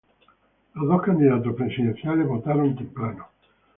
Los dos candidatos presidenciales votaron temprano.